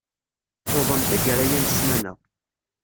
Tuḍen tagara-ya n ssmana.